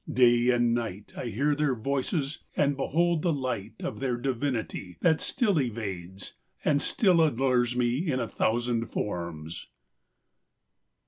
Day and night I hear their voices and behold the light Of their divinity that still evades, And still allures me in a thousand forms.